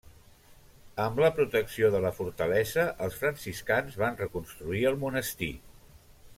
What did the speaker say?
Amb la protecció de la fortalesa, els franciscans van reconstruir el monestir.